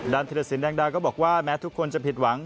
ธิรสินแดงดาก็บอกว่าแม้ทุกคนจะผิดหวัง